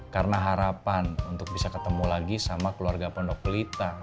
karena harapan untuk bisa ketemu lagi sama keluarga pendok pelita